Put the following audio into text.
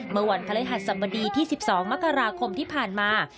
เมื่อวันพระฤหัสสบดีที่๑๒มกราคมที่ผ่านมา